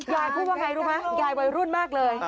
ยายพูดว่าไงรู้ไหมยายวัยรุ่นมากเลย